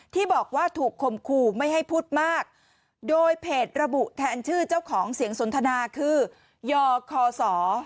ที่บอกว่าถูกคมคู่ไม่ให้พูดมากโดยเพจระบุแทนชื่อเจ้าของเสียงสนทนาคือยอคอสอ